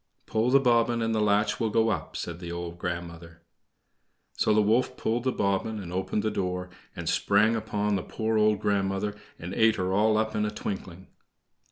"Pull the bobbin and the latch will go up," said the old grandmother. So the wolf pulled the bobbin and opened the door, and sprang upon the poor old grandmother and ate her all up in a twinkling.